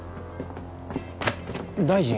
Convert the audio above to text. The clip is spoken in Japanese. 大臣。